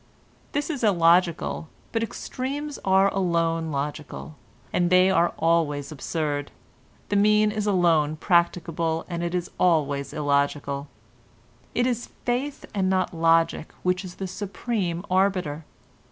This is illogical, but extremes are alone logical, and they are always absurd, the mean is alone practicable and it is always illogical. It is faith and not logic which is the supreme arbiter.